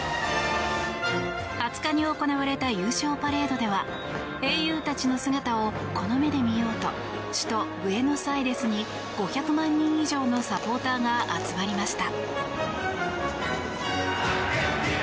２０日に行われた優勝パレードでは英雄たちの姿をこの目で見ようと首都ブエノスアイレスに５００万人以上のサポーターが集まりました。